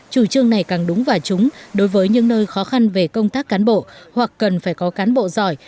chủ trương này càng đúng và trúng đối với những nơi khó khăn về công tác cán bộ hoặc cần phải có cán bộ giỏi